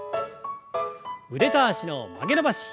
腕と脚の曲げ伸ばし。